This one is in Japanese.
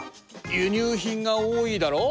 輸入品が多いだろう？